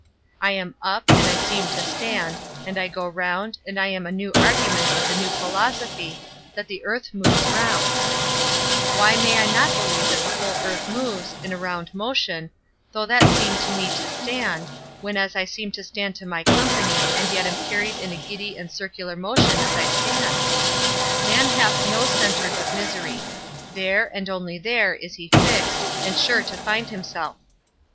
I am up, and I seem to stand, and I go round, and I am a new argument of the new philosophy, that the earth moves round; why may I not believe that the whole earth moves, in a round motion, though that seem to me to stand, when as I seem to stand to my company, and yet am carried in a giddy and circular motion as I stand? Man hath no centre but misery; there, and only there, he is fixed, and sure to find himself.